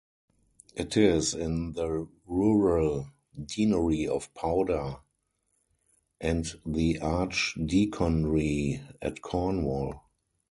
It is in the rural deanery of Powder and the archdeaconry of Cornwall.